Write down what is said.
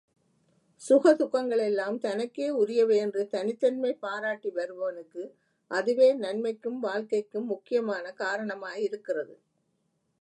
சுக துக்கங்கள் எல்லாம் தனக்கே உரியவை என்று தனித்தன்மை பாராட்டி வருபவனுக்கு, அதுவே நன்மைக்கும் வாழ்க்கைக்கும் முக்கியமான காரணமாயிருக்கிறது.